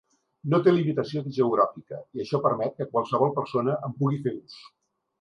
No té limitació geogràfica i això permet que qualsevol persona en pugui fer ús.